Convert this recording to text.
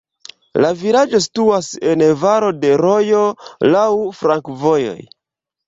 La vilaĝo situas en valo de rojo, laŭ flankovojoj.